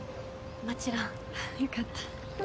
もちろん。よかった。